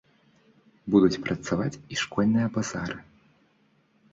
Будуць працаваць і школьныя базары.